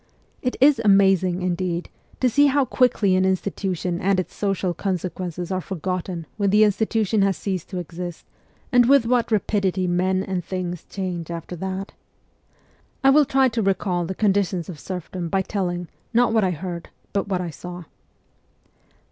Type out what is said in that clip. It is amazing, indeed, to see how quickly an institution and its social conse quences are forgotten when the institution has ceased to exist, and with what rapidity men and things change after that. I will try to recall the conditions of serf dom by telling, not what I heard, but what I saw.